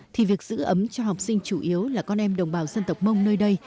thì việc giữ ấm cho học sinh chủ yếu là con em đồng bào dân tộc mông nơi đây